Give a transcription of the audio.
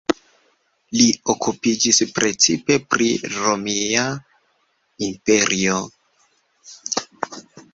Li okupiĝis precipe pri Romia Imperio.